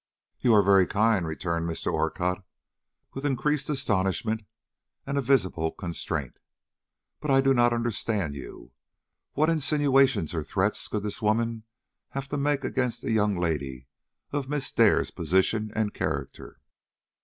"You are very kind," returned Mr. Orcutt, with increased astonishment and a visible constraint, "but I do not understand you. What insinuations or threats could this woman have to make against a young lady of Miss Dare's position and character?"